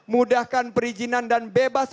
mudahkan perizinan dan bebas